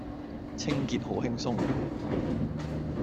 清潔好輕鬆